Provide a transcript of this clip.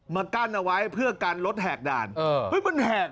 กั้นเอาไว้เพื่อกันรถแหกด่านมันแหก